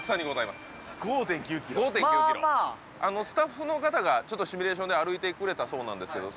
まあまあスタッフの方がシミュレーションで歩いてくれたそうなんですけど